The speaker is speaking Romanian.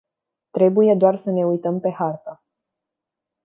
Trebuie doar să ne uităm pe hartă.